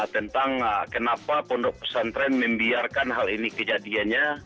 tentang kenapa pondok pesantren membiarkan hal ini kejadiannya